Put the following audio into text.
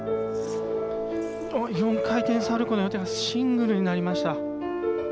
あっ、４回転サルコーの予定が、シングルになりました。